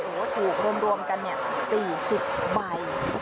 โอ้โหถูกรวมกันเนี่ย๔๐ใบ